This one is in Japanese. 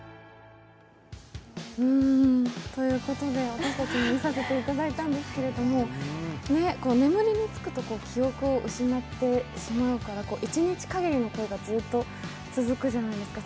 私たちも見させていただいたんですけれども眠りに就くと記憶を失ってしまうから、一日限りの恋がずっと続くじゃないですか。